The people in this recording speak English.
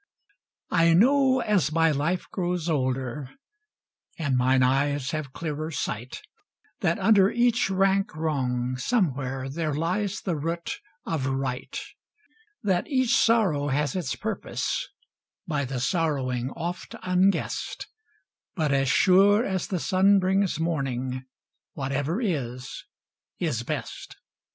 I know as my life grows older, And mine eyes have clearer sight That under each rank wrong, somewhere There lies the root of Right; That each sorrow has its purpose, By the sorrowing oft unguessed, But as sure as the sun brings morning, Whatever is is best.